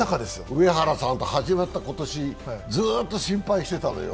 上原さんと始まった今年ずっと心配してたのよ。